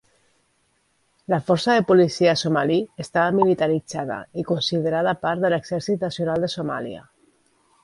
La Forca de Policia Somali estava militaritzada i considerada part de l'Exèrcit Nacional de Somàlia.